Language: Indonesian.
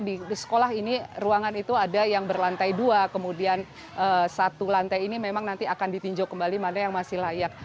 di sekolah ini ruangan itu ada yang berlantai dua kemudian satu lantai ini memang nanti akan ditinjau kembali mana yang masih layak